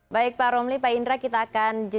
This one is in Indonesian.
baca perubahan filosofinya